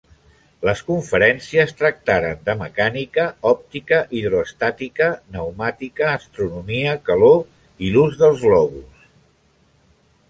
Les conferències tractaren de mecànica, òptica, hidroestàtica, pneumàtica, astronomia, calor i l'ús dels globus.